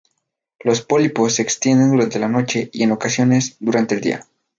Los pólipos se extienden durante la noche, y en ocasiones, durante el día.